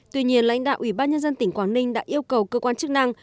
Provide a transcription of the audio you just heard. tuy nhiên lãnh đạo ủy ban nhân dân tỉnh quảng ninh đã yêu cầu cơ quan chức năng